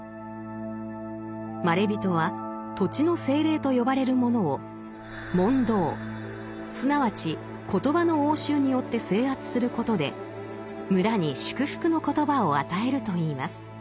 まれびとは土地の精霊と呼ばれる者を「問答」すなわち言葉の応酬によって制圧することで村に祝福の言葉を与えるといいます。